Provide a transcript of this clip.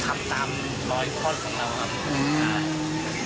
และแหน่วทางตรงนี้ที่เรามาเราคิดยังไง